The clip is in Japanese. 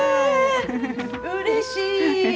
うれしい！